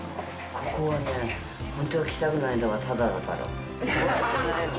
ここはね、本当は来たくないんだわ、ただだから。